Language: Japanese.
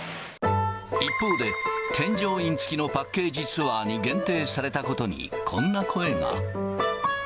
一方で、添乗員付きのパッケージツアーに限定されたことに、こんな声が。